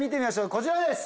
こちらです。